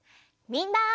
みんな！